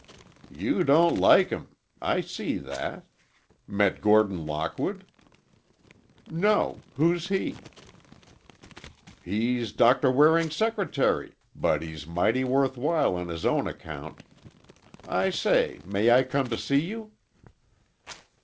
"You don't like him! I see that. Met Gordon Lockwood?" "No; who's he?" "He's Doctor Waring's secretary, but he's mighty worthwhile on his own account. I say, may I come to see you?"